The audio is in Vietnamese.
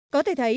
có thể thấy